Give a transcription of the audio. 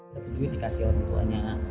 dapat duit dikasih orang tuanya